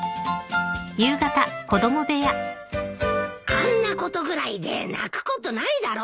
あんなことぐらいで泣くことないだろ。